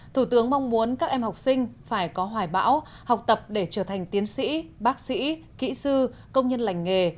thủ tướng mong muốn các em học sinh phải có hoài bão học tập để trở thành tiến sĩ bác sĩ kỹ sư công nhân lành nghề